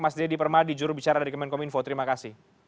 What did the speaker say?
mas deddy permadi jurubicara dari kemenkom info terima kasih